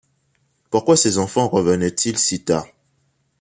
Pourquoi ces enfants revenaient-ils si tard ?